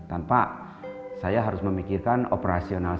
tanpa saya harus memikirkan operasional